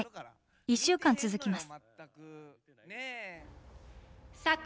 １週間続きます。